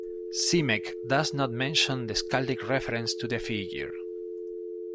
Simek does not mention the skaldic reference to the figure.